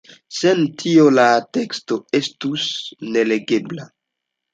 Sen tio la teksto estus nelegebla.